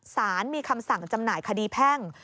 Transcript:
สารมีคำสั่งจำหน่ายคดีแพ่ง